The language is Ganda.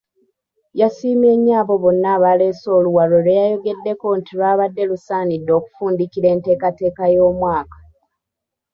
Yasiimye nnyo abo bonna abaaleese oluwalo lwe yayogeddeko nti lwabadde lusaanidde okufundikira enteekateeka y'omwaka.